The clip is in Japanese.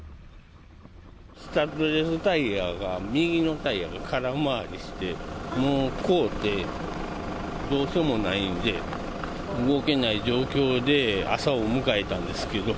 スタッドレスタイヤが、右のタイヤが空回りして、もう凍ってどうしようもないんで、動けない状況で朝を迎えたんですけど。